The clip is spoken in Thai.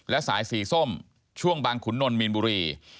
และสายสีส้มช่วงบางขุนนลมีนบุรี